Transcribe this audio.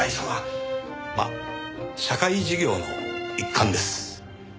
まあ社会事業の一環です。